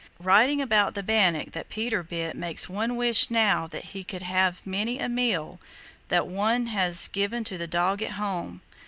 "Writing about the bannock that Peter bit makes one wish now that one could have many a meal that one has given to the dog at home.